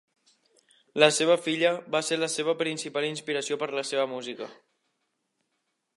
La seva filla va ser la seva principal inspiració per la seva música.